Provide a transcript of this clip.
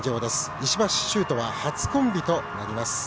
石橋脩とは初コンビとなります。